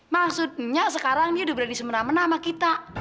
maksudnya sekarang dia udah berani semenama menama kita